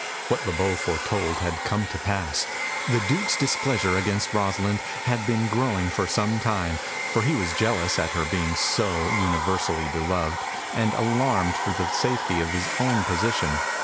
What Le Beau foretold had come to pass. The Duke's displeasure against Rosalind had been growing for some time, for he was jealous at her being so universally beloved, and alarmed for the safety of his own position.